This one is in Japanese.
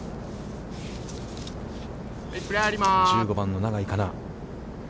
１５番の永井花奈。